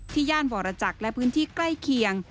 ย่านวรจักรและพื้นที่ใกล้เคียง